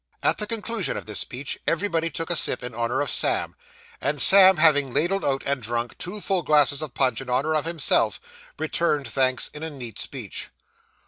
At the conclusion of this speech, everybody took a sip in honour of Sam; and Sam having ladled out, and drunk, two full glasses of punch in honour of himself, returned thanks in a neat speech.